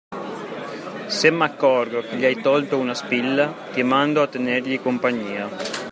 Se m'accorgo che gli hai tolto una spilla, ti mando a tenergli compagnia.